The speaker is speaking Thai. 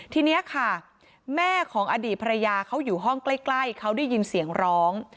ทีนี้ค่ะแม่ของอดีตภรรยาเขาอยู่ห้องใกล้เขาได้ยินเสียงร้อง